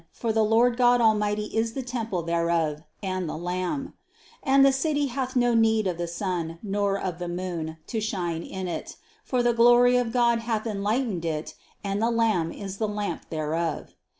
For the Lord God Almighty is the temple thereof, and the Lamb. 23. And the city hath no need of the sun, nor of the moon, to shine in it; for the glory of God hath enlightened it, and the Lamb is the lamp thereof.